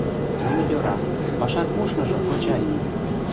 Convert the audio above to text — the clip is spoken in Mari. — Ну, йӧра, пашат ушныжо, кочай!